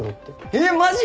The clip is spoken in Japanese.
えっマジ？